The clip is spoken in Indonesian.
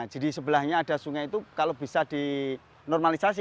jadi sebelahnya ada sungai itu kalau bisa dinormalisasi